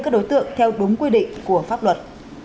các đối tượng theo đúng quy định của pháp luật